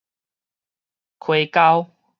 溪溝